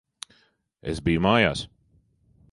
Es biju mājās.